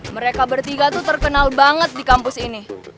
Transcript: mereka bertiga itu terkenal banget di kampus ini